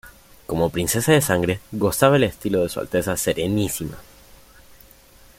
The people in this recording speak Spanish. Como princesa de sangre, gozaba el estilo de "Su Alteza Serenísima".